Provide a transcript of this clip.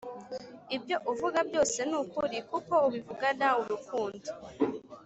ibyo uvuga byose nukuri kuko ubivugana urukundo